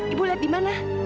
ibu lihat di mana